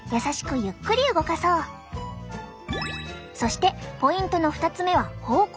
そしてポイントの２つ目は方向。